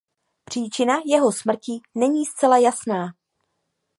Příčina jeho smrti není zcela jasná.